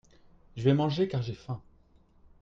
Je vais manger car j'ai faim.